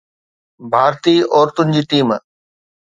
ڀارتي عورتن جي ٽيم